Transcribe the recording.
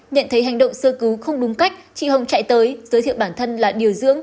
nhận thấy hành động sơ cứu không đúng cách chị hồng chạy tới giới thiệu bản thân là điều dưỡng